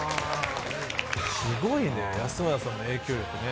すごいね安村さんの影響力ね。